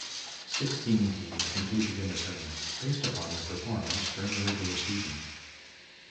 Sixteen teams competed in the tournament based upon their performance during the regular season.